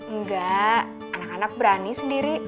enggak anak anak berani sendiri